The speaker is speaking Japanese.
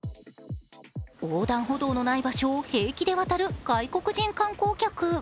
横断歩道のない場所を平気で渡る外国人観光客。